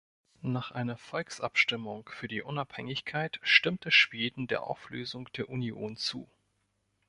Nach einer Volksabstimmung für die Unabhängigkeit stimmte Schweden der Auflösung der Union zu.